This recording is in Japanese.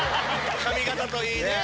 髪形といいね。